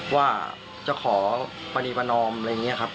ว่าจะขอปณีประนอมอะไรอย่างนี้ครับ